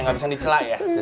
gak bisa dicelak ya